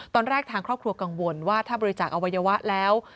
ทางครอบครัวกังวลว่าถ้าบริจาคอวัยวะแล้ว